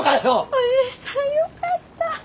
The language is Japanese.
おじさんよかった。